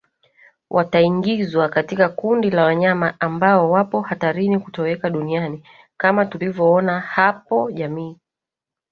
wataingizwa katika kundi la wanyama ambao wapo hatarini kutoweka duniani Kama tulivoona hapo jamii